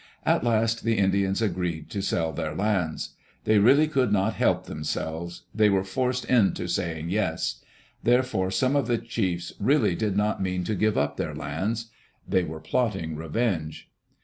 At last the Indians agreed to sell their lands. They really could not help themselves. They were forced into saying Yes." Therefore some of the chiefs really did not mean to give up their lands. They were plotting revenge.